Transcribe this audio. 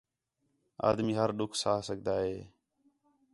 آدمی ہر ݙُکھ سہہ سڳدا ہے